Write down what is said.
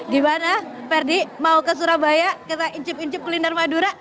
gimana ferdi mau ke surabaya kita incip incip kuliner madura